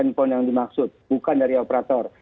handphone yang dimaksud bukan dari operator